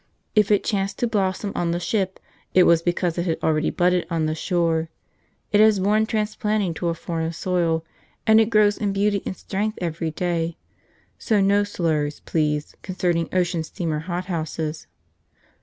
If it chanced to blossom on the ship, it was because it had already budded on the shore; it has borne transplanting to a foreign soil, and it grows in beauty and strength every day: so no slurs, please, concerning ocean steamer hothouses."